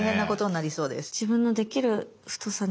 自分のできる太さに。